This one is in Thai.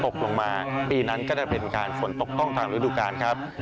ตกลงมาปีนั้นก็จะเป็นการฝนตกต้องตามฤดูกาลครับ